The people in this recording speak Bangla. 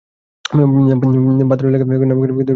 পাথরে লেখা নাম ক্ষয়ে যাবে, কিন্তু হৃদয়ে লেখা নাম রয়ে যাবে।